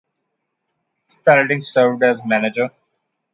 Spalding served as manager.